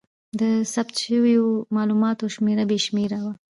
د ثبت شوو مالوماتو شمېر بې شمېره و.